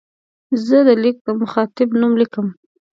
زه د لیک د مخاطب نوم لیکم.